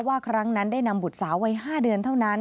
ครั้งนั้นได้นำบุตรสาววัย๕เดือนเท่านั้น